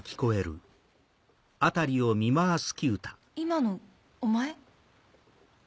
今のお前？